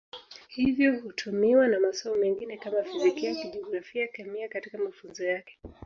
Hivyo hutumiwa na masomo mengine kama Fizikia, Jiografia, Kemia katika mafunzo yake.